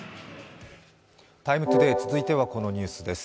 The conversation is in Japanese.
「ＴＩＭＥ，ＴＯＤＡＹ」続いてはこのニュースです。